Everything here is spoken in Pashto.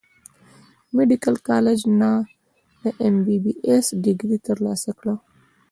ميديکل کالج نۀ د ايم بي بي ايس ډګري تر لاسه کړه